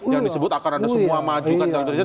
yang disebut akan ada semua maju kan